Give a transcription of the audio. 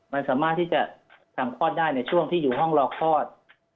มันสามารถที่จะทำคลอดได้ในช่วงที่อยู่ห้องรอคลอด